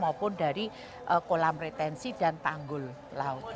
maupun dari kolam retensi dan tanggul laut